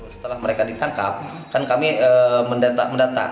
setelah mereka ditangkap kan kami mendata